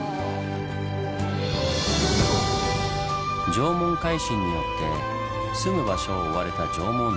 縄文海進によって住む場所を追われた縄文人。